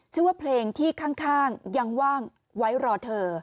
ชื่อว่าเพลงที่ข้างยังว่างไว้รอเธอ